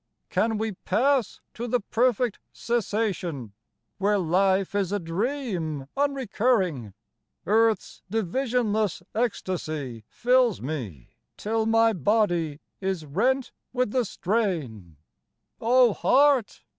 Can we pass to the perfect cessation where life is a dream unrecurring ? Earth's divisionless ecstasy fills me, till my body is rent with the strain, Oh, Heart